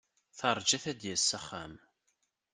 Terja-t ad d-yas s axxam.